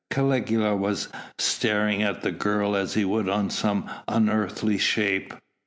Caligula was staring at the girl as he would on some unearthly shape.